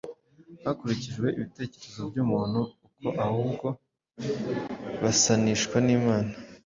hakurikijwe ibitekerezo by’umuntu ko ahubwo basanishwa n’Imana.